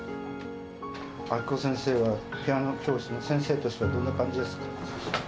明子先生はピアノ教室の先生としてはどんな感じですか？